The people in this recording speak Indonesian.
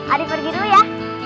ari pergi dulu ya